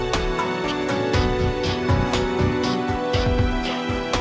dianggap terjean headaches